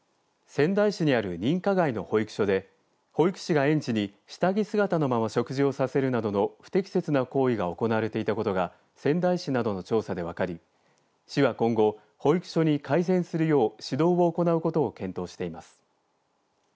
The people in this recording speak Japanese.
仙台市にある認可外の保育園で保育士が園児に下着姿のまま食事をさせるなどの不適切な行為が行われていたことが仙台市などの調査で分かり市は今後、保育所に改善するよう指導を行うことを検討しています。